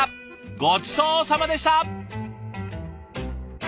ごちそうさまでした。